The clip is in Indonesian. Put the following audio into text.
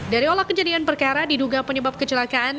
dari olah kejadian perkara diduga penyebab kecelakaan